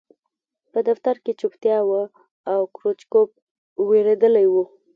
په دفتر کې چوپتیا وه او کروچکوف وېرېدلی و